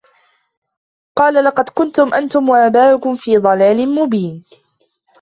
قال لقد كنتم أنتم وآباؤكم في ضلال مبين